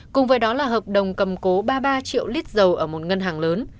cùng với đó là hợp đồng cầm cố ba mươi ba triệu lít dầu ở một ngân hàng lớn